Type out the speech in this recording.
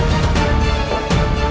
raja ibu nda